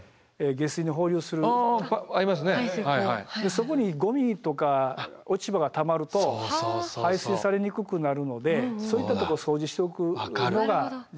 そこにゴミとか落ち葉がたまると排水されにくくなるのでそういったとこ掃除しておくのが重要ですね。